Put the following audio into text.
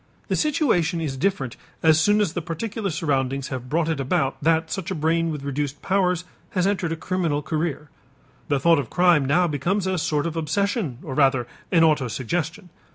The situation is different as soon as the particular surroundings have brought it about that such a brain with reduced powers has entered a criminal career. The thought of crime now becomes a sort of obsession or rather an autosuggestion.